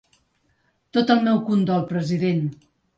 Tot el meu condol, president!